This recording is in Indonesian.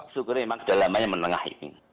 sukur memang sudah lempeng yang menengah ini